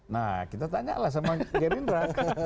nah kita tanya lah sama gerindra